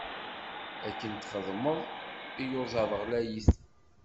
Akken txedmeḍ, iyuzaḍ ɣlayit.